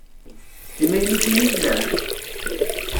D timaynutin i tellamt?